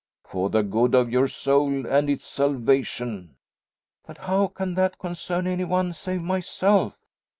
"For the good of your soul and its salvation." "But how can that concern any one save myself?"